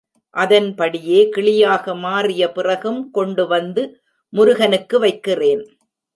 அதன்படியே கிளியாக மாறிய பிறகும் கொண்டு வந்து முருகனுக்கு வைக்கிறேன்.